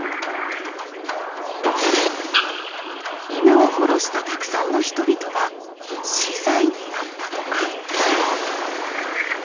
犬を殺したたくさんの人々が死罪になったとか。